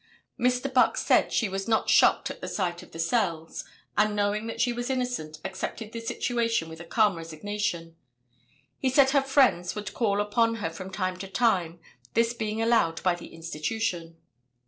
Mr. Buck said she was not shocked at the sight of the cells, and, knowing that she was innocent, accepted the situation with a calm resignation. He said her friends would call upon her from time to time, this being allowed by the institution.